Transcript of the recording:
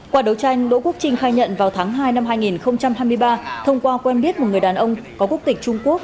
qua đấu tranh đỗ quốc trinh khai nhận vào tháng hai năm hai nghìn hai mươi ba thông qua quen biết một người đàn ông có quốc tịch trung quốc